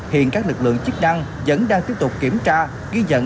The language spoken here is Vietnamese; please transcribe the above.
hiện các lực lượng chức năng vẫn đang tiếp tục kiểm tra ghi nhận